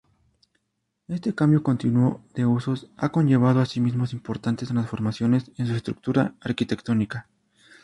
Este cambio continuo de usos ha conllevado asimismo importantes transformaciones en su estructura arquitectónica.